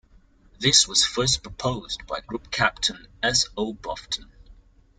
This was first proposed by Group Captain S. O. Bufton.